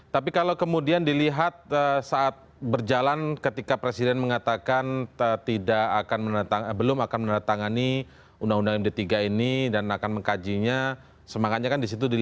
tapi kalau kemudian dilihat saat berjalan ketika presiden mengatakan belum akan menandatangani undang undang md tiga ini dan akan mengkajinya semangatnya kan disitu